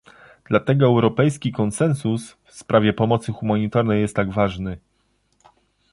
Dlatego europejski konsensus w sprawie pomocy humanitarnej jest tak ważny